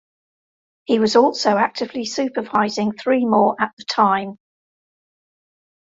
He was also actively supervising three more at the time.